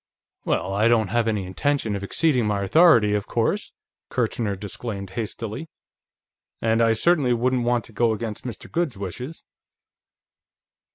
"Well, I don't have any intention of exceeding my authority, of course," Kirchner disclaimed hastily. "And I certainly wouldn't want to go against Mr. Goode's wishes."